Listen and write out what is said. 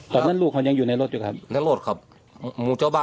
คนนี้ต้องพยายามฆ่าลูกผม